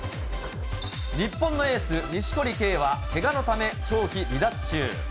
日本のエース、錦織圭はけがのため長期離脱中。